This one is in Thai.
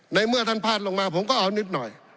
เมื่อท่านพลาดลงมาผมก็เอานิดหน่อย